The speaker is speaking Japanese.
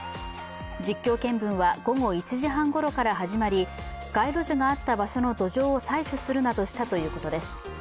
実況見分は午後１時半ごろから始まり街路樹のあった場所の土壌を採取するなどしたということです。